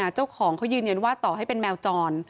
เจ้าของเขายืนยันว่าต่อให้เป็นแมวจร